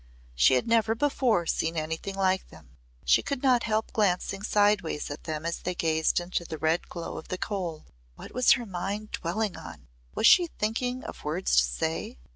She had never before seen anything like them. She could not help glancing sideways at them as they gazed into the red glow of the coal. What was her mind dwelling on? Was she thinking of words to say?